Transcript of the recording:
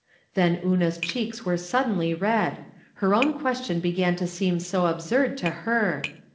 Then Una's cheeks were suddenly red ; her own question began to seem so absurd to her.